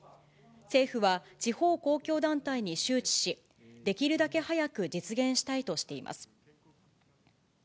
政府は地方公共団体に周知し、できるだけ早く実現したいとしています。